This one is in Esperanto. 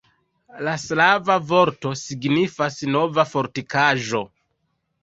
La slava vorto signifas Nova fortikaĵo.